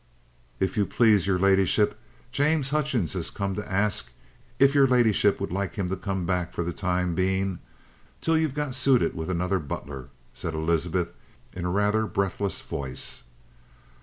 "If you please, your ladyship, James Hutchings has come to ask if your ladyship would like him to come back for the time being till you've got suited with another butler," said Elizabeth in a rather breathless voice.